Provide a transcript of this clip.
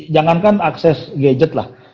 jangankan akses gadget lah